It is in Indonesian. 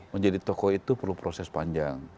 menjadi tokoh itu perlu proses panjang